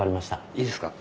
いいですか？